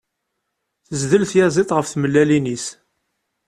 Tezdel tyaziḍt ɣef tmellalin-is.